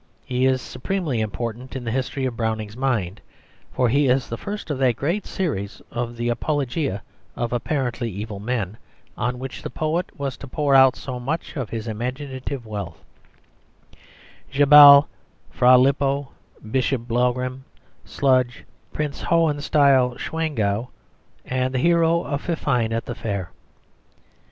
He is supremely important in the history of Browning's mind, for he is the first of that great series of the apologiæ of apparently evil men, on which the poet was to pour out so much of his imaginative wealth Djabal, Fra Lippo, Bishop Blougram, Sludge, Prince Hohenstiel Schwangau, and the hero of Fifine at the Fair.